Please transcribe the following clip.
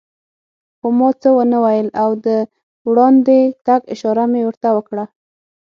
خو ما څه و نه ویل او د وړاندې تګ اشاره مې ورته وکړه.